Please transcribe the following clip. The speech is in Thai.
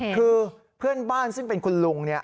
คือเพื่อนบ้านซึ่งเป็นคุณลุง